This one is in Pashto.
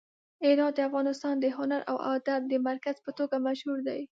هرات د افغانستان د هنر او ادب د مرکز په توګه مشهور دی.